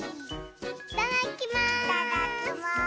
いただきます！